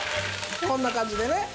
こんな感じでね。